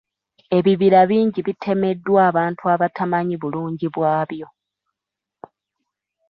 Ebibira bingi bitemeddwa abantu abatamanyi bulungi bwabyo.